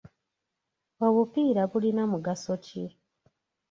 Obupiira bulina mugaso ki?